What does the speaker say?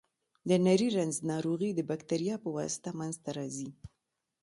د نري رنځ ناروغي د بکتریا په واسطه منځ ته راځي.